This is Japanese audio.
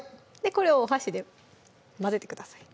これをお箸で混ぜてください